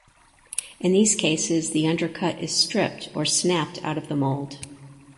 In these cases the undercut is stripped or snapped out of the mold.